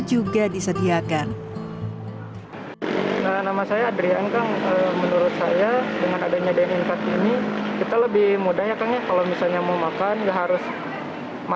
jadi semua yang kebutuhan yang ada di restoran kita pilih di mobil dengan suasana dan rasa semuanya sama yang ada di restoran